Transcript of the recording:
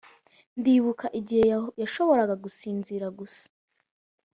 ndibuka ibihe yashoboraga gusinzira gusa.